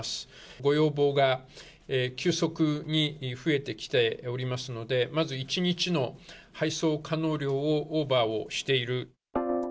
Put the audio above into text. ご要望が急速に増えてきておりますので、まず１日の配送可能量をオーバーをしている。